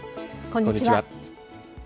こんにちは。